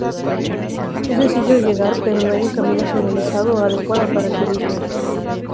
Es sencillo llegar pero no hay un camino señalizado o adecuado para el turismo.